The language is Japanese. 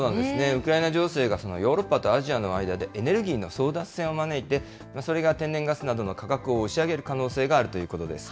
ウクライナ情勢が、ヨーロッパとアジアの間でエネルギーの争奪戦を招いて、それが天然ガスなどの価格を押し上げる可能性があるということです。